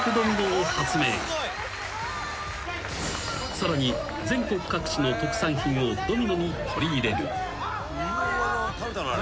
［さらに全国各地の特産品をドミノに取り入れる］